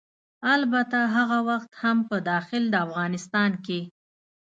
البته هغه وخت هم په داخل د افغانستان کې